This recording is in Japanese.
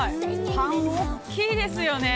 パン大っきいですよね。